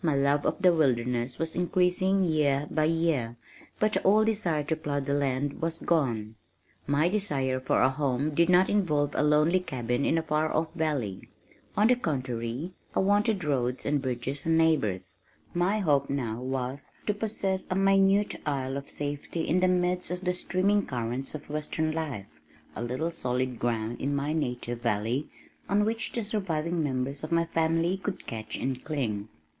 My love of the wilderness was increasing year by year, but all desire to plow the wild land was gone. My desire for a home did not involve a lonely cabin in a far off valley, on the contrary I wanted roads and bridges and neighbors. My hope now was to possess a minute isle of safety in the midst of the streaming currents of western life a little solid ground in my native valley on which the surviving members of my family could catch and cling.